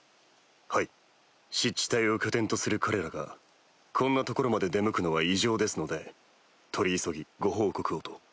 はい湿地帯を拠点とする彼らがこんな所まで出向くのは異常ですので取り急ぎご報告をと。